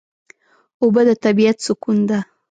اوبه د طبیعت سکون ده.